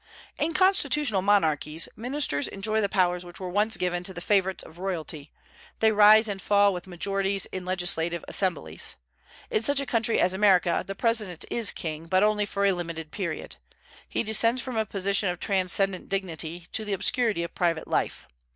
In constitutional monarchies ministers enjoy the powers which were once given to the favorites of royalty; they rise and fall with majorities in legislative assemblies. In such a country as America the President is king, but only for a limited period. He descends from a position of transcendent dignity to the obscurity of private life.